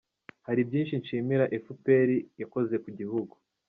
Hari byinshi nshimira efuperi yakoze kugihugu